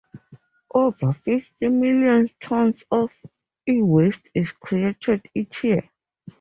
Over fifty million tons of e-waste is created each year.